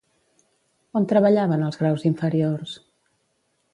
On treballaven els graus inferiors?